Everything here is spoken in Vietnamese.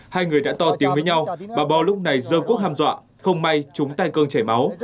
hai người đã to tiếng với nhau bà bo lúc này dơ quốc ham dọa không may trúng tay cơn chảy máu